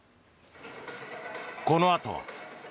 このあとは。